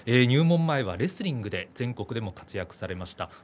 入門前はレスリングで全国でも活躍されました。